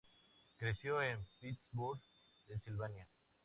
Creció en Pittsburgh, Pennsylvania.